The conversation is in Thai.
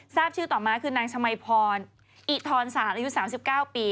ทราบชื่อต่อมาคือนางชมัยพรอิทรศาสตร์อายุ๓๙ปี